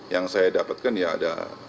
yang saya dapatkan ya ada